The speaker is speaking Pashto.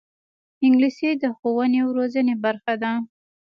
انګلیسي د ښوونې او روزنې برخه ده